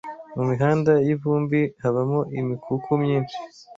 mu mihanda y’ivumbi habamo imikuku myinshi